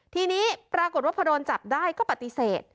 ทีนี้ปรากฏว่าพอโดนจับได้ก็ปฏิเสธ